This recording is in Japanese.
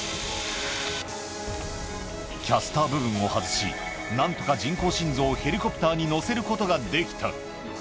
キャスター部分を外し、なんとか人工心臓をヘリコプターに載せることができた。